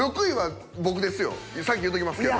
いやいや先言うときますけど。